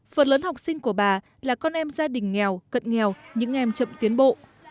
phần lớn học sinh của bà là con em gia đình nghèo cận nghèo những em chậm tiến bộ